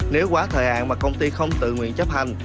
nếu quá thời hạn mà công ty không tự nguyện chấp hành